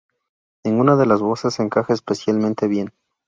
Ninguna de las voces encaja especialmente bien.